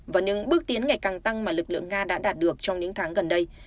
và những bước tiến ngày càng tăng mà lực lượng nga đã đạt được trong những tháng gần đây